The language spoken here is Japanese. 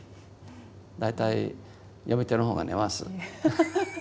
大体読み手の方が寝ます。